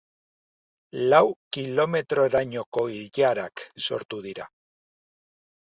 Lau kilometrorainoko ilarak sortu dira.